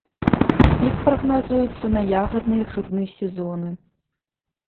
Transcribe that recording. Пік прагназуецца на ягадны і грыбны сезоны.